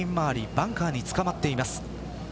バンカーにつかまっています。